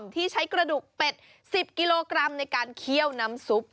ที่ใช้กระดูกเป็ด๑๐กิโลกรัมในการเคี่ยวน้ำซุป